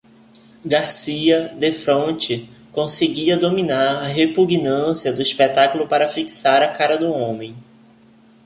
Garcia, defronte, conseguia dominar a repugnância do espetáculo para fixar a cara do homem.